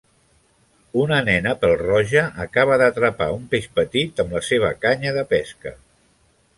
Una nena pèl-roja acaba d'atrapar un peix petit amb la seva canya de pesca.